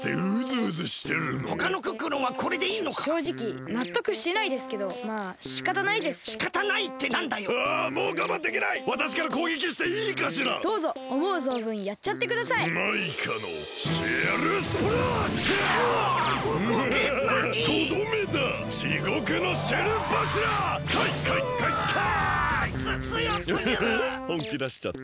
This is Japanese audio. ウフフほんきだしちゃった。